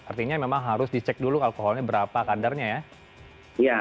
artinya memang harus dicek dulu alkoholnya berapa kadarnya ya